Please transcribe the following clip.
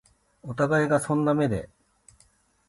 お互いがそんな目で